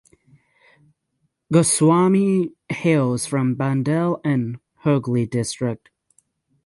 Goswami hails from Bandel in Hooghly district.